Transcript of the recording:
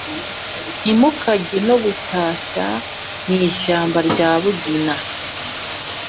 ntimukajye no gutashya mu ishyamba rya bugina,